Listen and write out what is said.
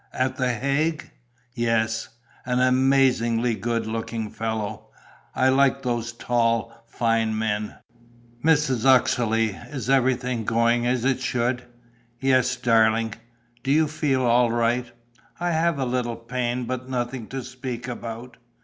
"At the Hague?" "Yes." "An amazingly good looking fellow! I like those tall, fine men." "Mrs. Uxeley, is everything going as it should?" "Yes, darling." "Do you feel all right?" "I have a little pain, but nothing to speak about."